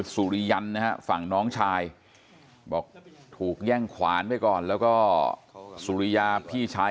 สุริยันนะฮะฝั่งน้องชายบอกถูกแย่งขวานไปก่อนแล้วก็สุริยาพี่ชาย